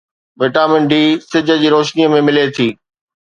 vitamin D سج جي روشنيءَ ۾ ملي ٿي